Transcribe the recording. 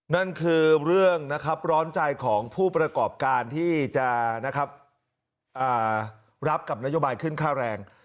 นั่นคือเรื่องนะครับร้อนใจของผู้ประกอบการที่จะรับกับนโยบายขึ้นค่าแรง